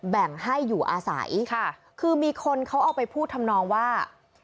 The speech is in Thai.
แบ่งให้อยู่อาศัยค่ะคือมีคนเขาเอาไปพูดทำนองว่า